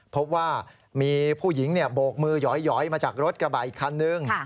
พบว่ามีผู้หญิงโบกมือหยอยมาจากรถกระบะอีกคันนึง